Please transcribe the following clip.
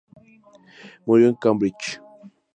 Murió en Cambridge.